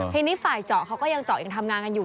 ทีนี้ฝ่ายเจาะเขาก็ยังเจาะยังทำงานกันอยู่